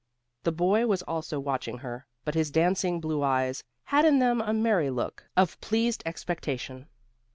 The boy was also watching her, but his dancing blue eyes had in them a merry look of pleased expectation.